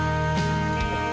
bagaimana yelling tak kau beet